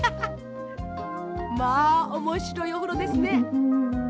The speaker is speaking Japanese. まあおもしろいおふろですね。